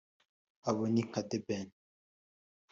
abo ni nka The Ben